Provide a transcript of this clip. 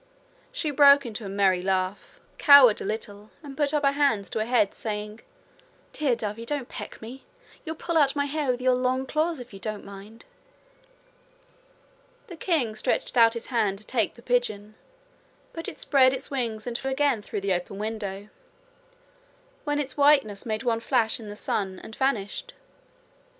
She broke into a merry laugh, cowered a little, and put up her hands to her head, saying: 'Dear dovey, don't peck me. You'll pull out my hair with your long claws if you don't mind.' The king stretched out his hand to take the pigeon, but it spread its wings and flew again through the open window, when its Whiteness made one flash in the sun and vanished.